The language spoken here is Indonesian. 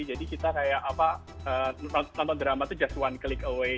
jadi kita kayak apa nonton drama tuh just one click away